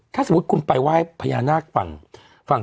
ถ้าสมมุติคุณไปไหว้พญานาคฝั่งฝั่ง